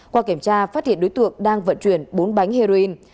qua kiểm tra phát hiện đối tượng đang vận chuyển bốn bánh heroin